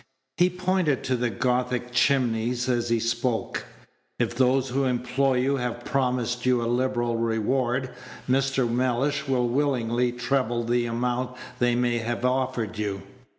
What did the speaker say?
He pointed to the Gothic chimneys as he spoke. "If those who employ you have promised you a liberal reward, Mr. Mellish will willingly treble the amount they may have offered you.